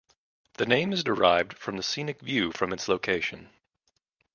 The name is derived from the scenic view from its location.